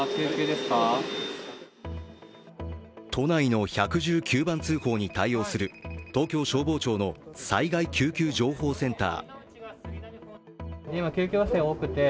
都内の１１９番通報に対応する東京消防庁の災害救急情報センター。